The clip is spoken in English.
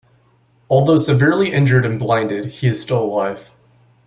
Although severely injured and blinded, he is still alive.